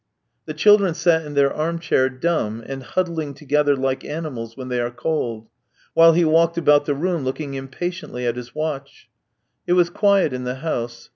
The children sat in their arm chair dumb and huddling together like animals when they are cold, while he walked about the room looking impatiently at his watch. It was quiet in the house.